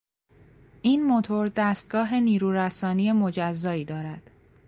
این موتور دستگاه نیرو رسانی مجزایی دارد.